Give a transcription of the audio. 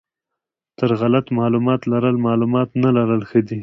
تر غلط معلومات لرل معلومات نه لرل ښه دي.